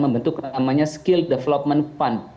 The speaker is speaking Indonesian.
membentuk namanya skill development fund